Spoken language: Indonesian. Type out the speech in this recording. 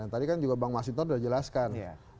tadi kan juga bang mas hinton sudah jelaskan